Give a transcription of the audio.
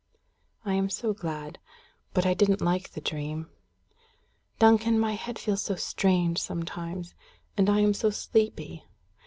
"I am so glad. But I didn't like the dream. Duncan, my head feels so strange sometimes. And I am so sleepy.